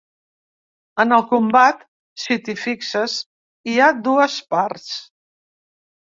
En el combat, si t’hi fixes, hi ha dues parts.